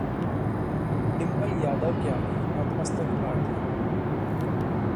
डिंपल यादव के आगे नतमस्तक पार्टियां